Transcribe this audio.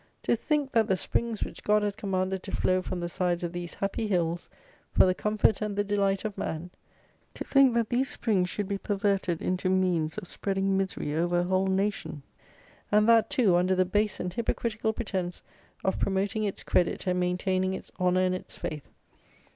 To think that the springs which God has commanded to flow from the sides of these happy hills, for the comfort and the delight of man; to think that these springs should be perverted into means of spreading misery over a whole nation; and that, too, under the base and hypocritical pretence of promoting its credit and maintaining its honour and its faith!